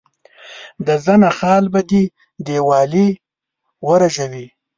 د زنه خال به دي دیوالۍ ورژوي.